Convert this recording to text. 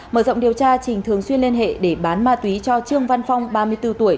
mở rộng điều tra trình thường xuyên liên hệ để bán ma túy cho trương văn phong ba mươi bốn tuổi